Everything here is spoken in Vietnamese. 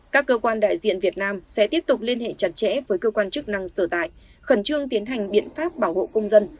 các cơ quan đại diện việt nam sẽ tiếp tục liên hệ chặt chẽ với cơ quan chức năng sở tại khẩn trương tiến hành biện pháp bảo hộ công dân